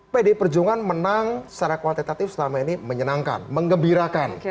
pd perjongan menang secara kualitatif selama ini menyenangkan mengembirakan